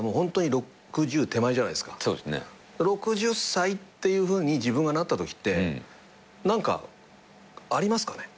６０歳っていうふうに自分がなったときって何かありますかね？